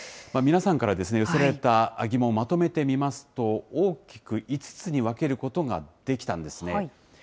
皆さんから寄せられた疑問をまとめてみますと、大きく５つに分けることができたんですね。